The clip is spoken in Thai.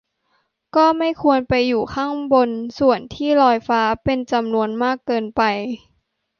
ก็ไม่ควรไปอยู่ข้างบนส่วนที่ลอยฟ้าเป็นจำนวนมากเกินไป